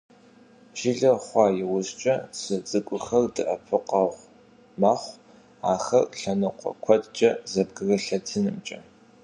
Жылэр хъуа иужькӀэ цы цӀыкӀухэр дэӀэпыкъуэгъу мэхъу ахэр лъэныкъуэ куэдкӀэ зэбгрылъэтынымкӀэ.